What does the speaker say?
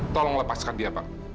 tolong lepaskan dia pak